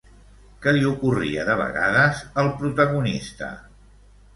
Què li ocorria de vegades al protagonista?